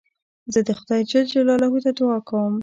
زه خدای جل جلاله ته دؤعا کوم.